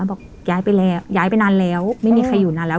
บอกย้ายไปแล้วย้ายไปนานแล้วไม่มีใครอยู่นานแล้ว